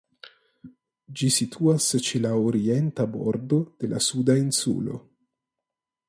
Ĝi situas ĉe la orienta bordo de la Suda Insulo.